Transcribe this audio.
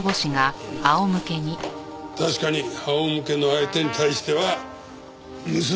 確かに仰向けの相手に対してはブスッ。